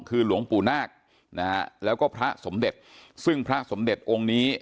คือหลวงปู่นาคนะฮะแล้วก็พระสมเด็จซึ่งพระสมเด็จองค์นี้